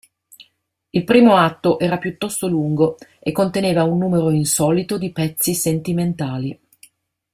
Il primo atto era piuttosto lungo e conteneva un numero insolito di pezzi sentimentali.